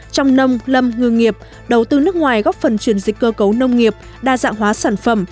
trong nông lâm ngư nghiệp đầu tư nước ngoài góp phần truyền dịch cơ cấu nông nghiệp đa dạng hóa sản phẩm